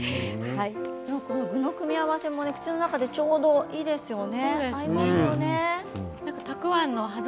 具の組み合わせもちょうどいいですよね。